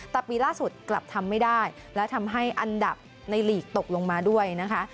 แต่ปีล่าสุดกลับทำไม่ได้และทำให้อันดับในหลีกตกลงมาด้วยนะคะ